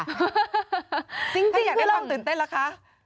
จริงคือลองถ้าอยากได้ความตื่นเต้นละคะ